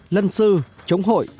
lân sư chống hội